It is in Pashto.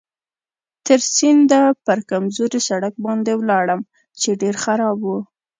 تر سینده پر کمزوري سړک باندې ولاړم چې ډېر خراب و.